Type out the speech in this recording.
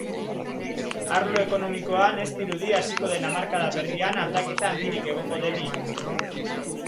Arlo ekonomikoan, ez dirudi hasiko den hamarkada berrian aldaketa handirik egongo denik.